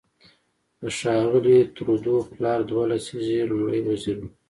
د ښاغلي ترودو پلار دوه لسیزې لومړی وزیر و.